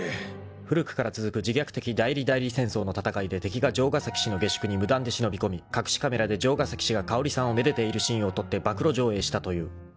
［古くから続く自虐的代理代理戦争の戦いで敵が城ヶ崎氏の下宿に無断で忍び込み隠しカメラで城ヶ崎氏が香織さんをめでているシーンを撮って暴露上映したという］